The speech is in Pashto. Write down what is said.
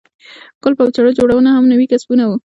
کولپ او چړه جوړونه هم نوي کسبونه وو.